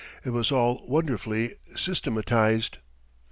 It was all wonderfully systematized.